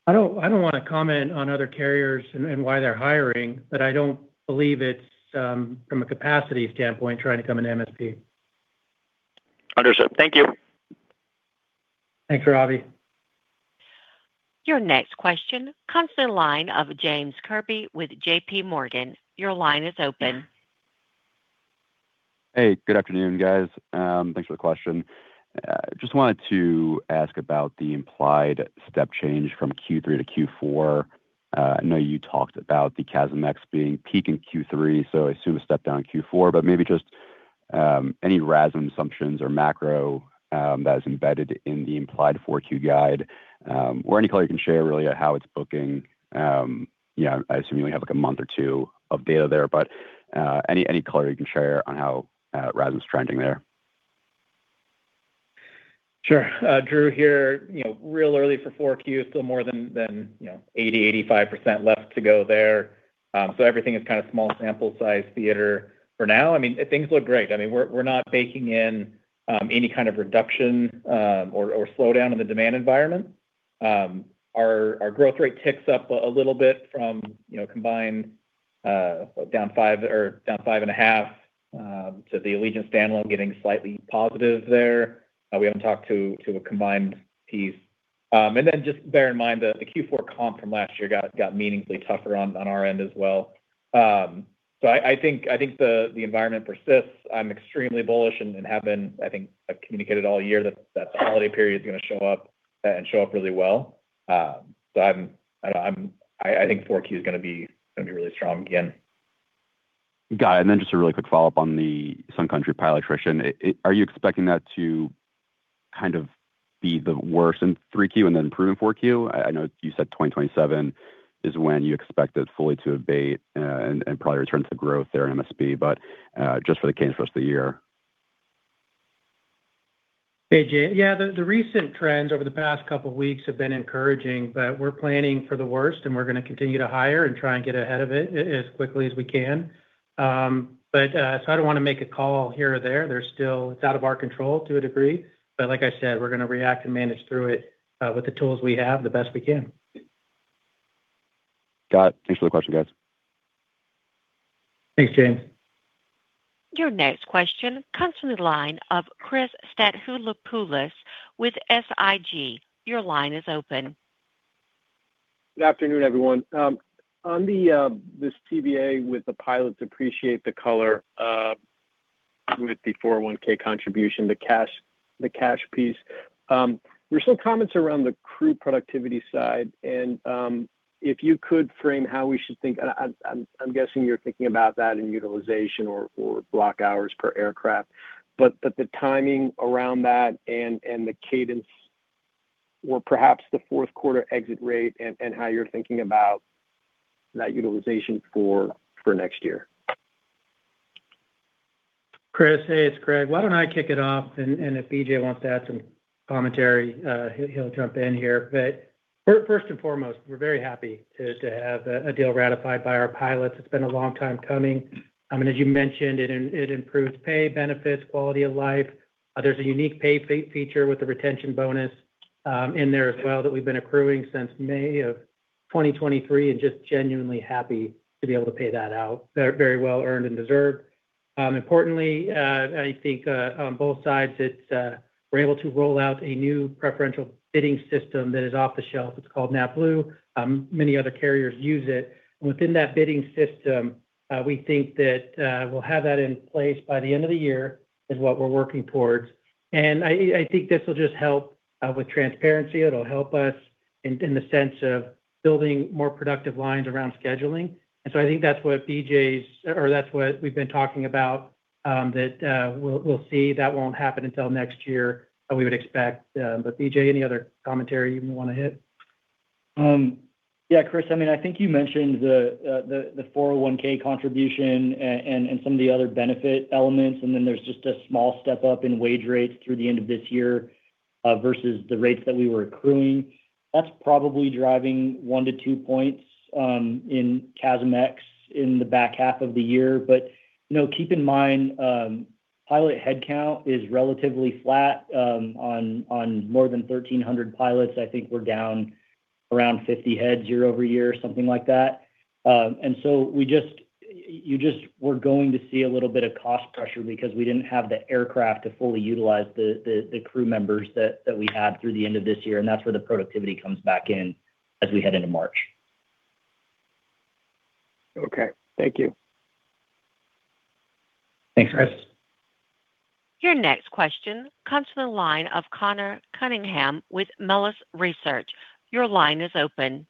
I don't want to comment on other carriers and why they're hiring, I don't believe it's from a capacity standpoint trying to come into MSP. Understood. Thank you. Thanks, Ravi. Your next question comes to the line of James Kirby with JPMorgan. Your line is open. Hey, good afternoon, guys. Thanks for the question. Just wanted to ask about the implied step change from Q3 to Q4. I know you talked about the CASM-ex being peak in Q3, so I assume a step down Q4, but maybe just any RASM assumptions or macro that is embedded in the implied 4Q guide, or any color you can share, really, on how it's booking. I assume you only have a month or two of data there, but any color you can share on how RASM is trending there? Sure. Drew here. Real early for 4Q, still more than 80%, 85% left to go there. Everything is kind of small sample size theater for now. Things look great. We're not baking in any kind of reduction or slowdown in the demand environment. Our growth rate ticks up a little bit from combined, down five or down five and a half to the Allegiant standalone getting slightly positive there. We haven't talked to a combined piece. Just bear in mind that the Q4 comp from last year got meaningfully tougher on our end as well. I think the environment persists. I'm extremely bullish and have been. I think I've communicated all year that the holiday period is going to show up, and show up really well. I think 4Q is going to be really strong again. Got it. Just a really quick follow-up on the Sun Country pilot attrition. Are you expecting that to be the worst in 3Q and then improve in 4Q? I know you said 2027 is when you expect it fully to abate and probably return to growth there in MSP, but just for the case for the rest of the year. Hey, James. Yeah, the recent trends over the past couple of weeks have been encouraging, we're planning for the worst, we're going to continue to hire and try and get ahead of it as quickly as we can. I don't want to make a call here or there. It's out of our control to a degree. Like I said, we're going to react and manage through it with the tools we have the best we can. Got it. Thanks for the question, guys. Thanks, James. Your next question comes from the line of Chris Stathoulopoulos with SIG. Your line is open. Good afternoon, everyone. On this CBA with the pilots, appreciate the color with the 401 contribution, the cash piece. Were still comments around the crew productivity side and if you could frame how we should think, I'm guessing you're thinking about that in utilization or block hours per aircraft, but the timing around that and the cadence or perhaps the fourth quarter exit rate and how you're thinking about that utilization for next year. Chris, hey, it's Greg. Why don't I kick it off? If BJ wants to add some commentary, he'll jump in here. First and foremost, we're very happy to have a deal ratified by our pilots. It's been a long time coming. As you mentioned, it improves pay benefits, quality of life. There's a unique pay feature with the retention bonus in there as well that we've been accruing since May of 2023 and just genuinely happy to be able to pay that out. Very well earned and deserved. Importantly, I think on both sides, we're able to roll out a new preferential bidding system that is off the shelf. It's called NetBlue. Many other carriers use it. Within that bidding system, we think that we'll have that in place by the end of the year, is what we're working towards. I think this will just help with transparency. It'll help us in the sense of building more productive lines around scheduling. I think that's what we've been talking about, that we'll see that won't happen until next year, we would expect. BJ, any other commentary you want to hit? Yeah, Chris, I think you mentioned the 401(k) contribution and some of the other benefit elements, then there's just a small step up in wage rates through the end of this year versus the rates that we were accruing. That's probably driving 1-2 points in CASM-ex in the back half of the year. Keep in mind, pilot headcount is relatively flat on more than 1,300 pilots. I think we're down around 50 heads year-over-year, something like that. We're going to see a little bit of cost pressure because we didn't have the aircraft to fully utilize the crew members that we had through the end of this year, and that's where the productivity comes back in as we head into March. Okay. Thank you. Thanks, Chris. Your next question comes from the line of Conor Cunningham with Melius Research. Your line is open.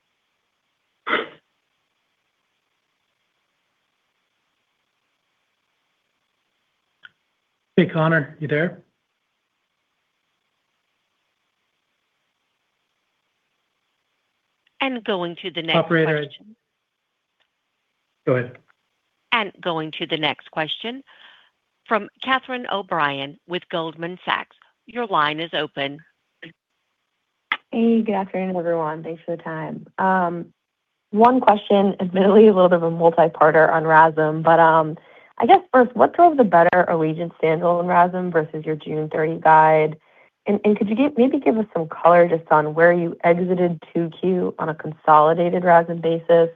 Hey, Conor, you there? Going to the next question. Operator. Go ahead. Going to the next question from Catherine O'Brien with Goldman Sachs. Your line is open. Hey, good afternoon, everyone. Thanks for the time. One question, admittedly, a little bit of a multi-parter on RASM. I guess first, what drove the better Allegiant standalone RASM versus your June 30 guide? Could you maybe give us some color just on where you exited 2Q on a consolidated RASM basis?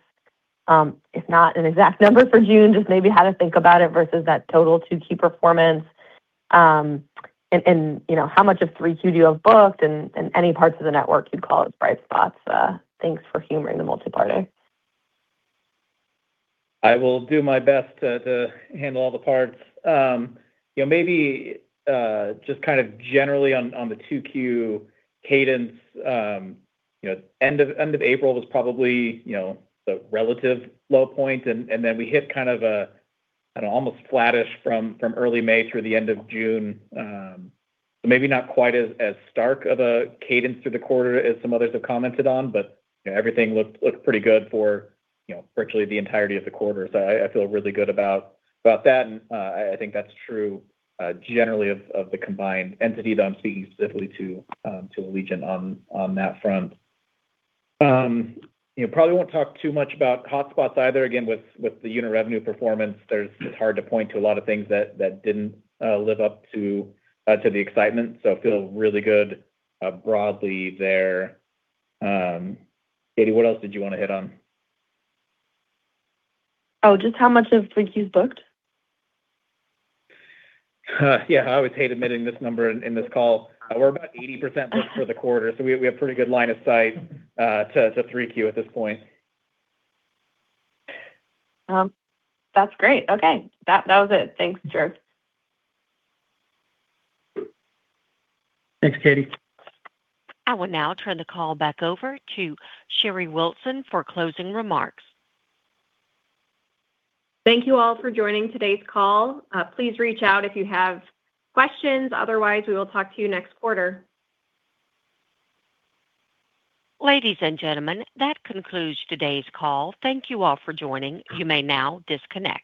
If not an exact number for June, just maybe how to think about it versus that total 2Q performance. How much of 3Q do you have booked and any parts of the network you'd call as bright spots? Thanks for humoring the multi-parter. I will do my best to handle all the parts. Just kind of generally on the 2Q cadence. End of April was probably the relative low point, and then we hit kind of an almost flattish from early May through the end of June. Maybe not quite as stark of a cadence through the quarter as some others have commented on, but everything looked pretty good for virtually the entirety of the quarter. I feel really good about that, and I think that's true generally of the combined entity, though I'm speaking specifically to Allegiant on that front. Probably won't talk too much about hotspots either. With the unit revenue performance, it's hard to point to a lot of things that didn't live up to the excitement. Feel really good broadly there. Katie, what else did you want to hit on? Just how much of 3Q is booked? Yeah. I always hate admitting this number in this call. We're about 80% booked for the quarter. We have pretty good line of sight to 3Q at this point. That's great. Okay. That was it. Thanks, Drew. Thanks, Katie. I will now turn the call back over to Sherry Wilson for closing remarks. Thank you all for joining today's call. Please reach out if you have questions. Otherwise, we will talk to you next quarter. Ladies and gentlemen, that concludes today's call. Thank you all for joining. You may now disconnect.